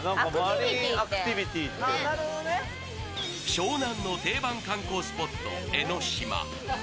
湘南の定番観光スポット・江の島。